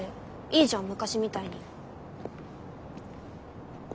いいじゃん昔みたいに。